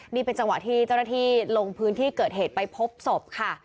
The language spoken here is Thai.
นี่เป็นจังหวะที่เจ้าหน้าที่ลงพื้นที่เกิดเหตุไปพบศพค่ะ